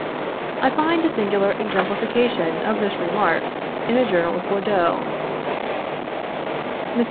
I find a singular exemplification of this remark in a journal of Bordeaux. Mr.